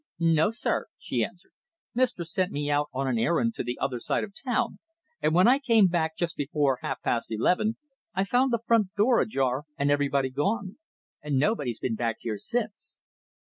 "No, sir," she answered. "Mistress sent me out on an errand to the other side of the town, and when I came back just before half past eleven I found the front door ajar, and everybody gone. And nobody's been back here since."